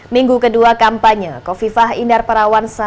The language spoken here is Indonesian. minggu kedua kampanye kofifah indar parawansa